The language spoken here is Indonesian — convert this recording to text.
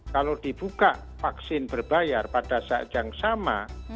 kalau dibuka vaksin berbayar pada saat yang sama